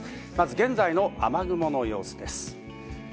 現在の雨雲の様子です。